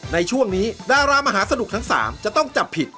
ในช่วงนี้ดารามหาสนุกทั้ง๓จะต้องจับผิด